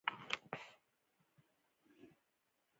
• د چپتیا ږغ کله ناکله ډېر با ارزښته وي.